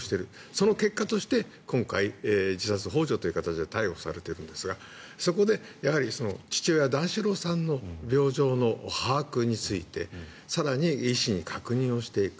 その結果として今回、自殺ほう助という形で逮捕されているんですがそこで父親・段四郎さんの病状の把握について更に医師に確認をしていく。